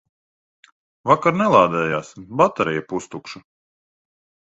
Vakar nelādējās, baterija pustukša.